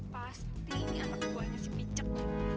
pasti ini anak buahnya si picek